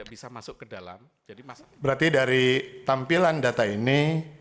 berarti dari tampilan data ini